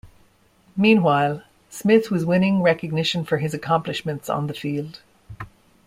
Meanwhile, Smith was winning recognition for his accomplishments on the field.